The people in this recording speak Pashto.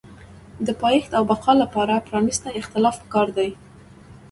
د پایښت او بقا لپاره پرانیستی اختلاف پکار دی.